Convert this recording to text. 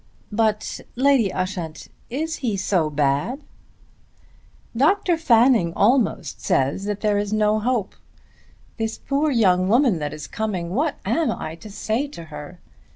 "But Lady Ushant, is he so bad?" "Dr. Fanning almost says that there is no hope. This poor young woman that is coming; what am I to say to her?